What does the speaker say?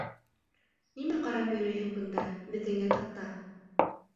Нимә ҡарап йөрөйһөң бында -беҙҙең ятаҡта?